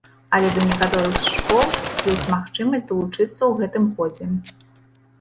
Але да некаторых з школ ёсць магчымасць далучыцца ў гэтым годзе.